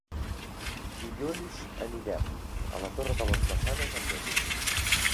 Dilluns anirem a la Torre de les Maçanes amb moto.